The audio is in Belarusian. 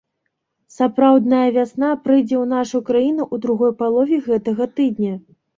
Сапраўдная вясна прыйдзе ў нашу краіну ў другой палове гэтага тыдня.